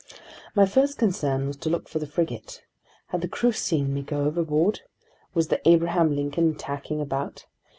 My first concern was to look for the frigate. Had the crew seen me go overboard? Was the Abraham Lincoln tacking about?